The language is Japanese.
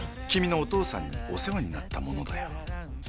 君のお父さんにお世話になった者だよ。